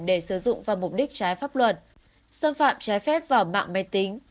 để sử dụng vào mục đích trái pháp luật xâm phạm trái phép vào mạng máy tính